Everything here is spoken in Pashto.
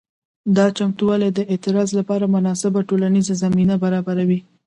دا چمتووالي د اعتراض لپاره مناسبه ټولنیزه زمینه برابروي.